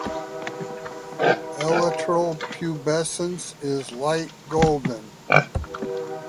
Elytral pubescence is light golden.